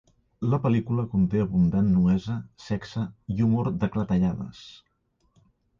La pel·lícula conté abundant nuesa, sexe i humor de clatellades.